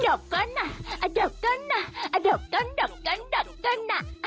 ดกตกอ่ะอะดกตกอ่ะอะดกตกลดกตกตกลดกตกล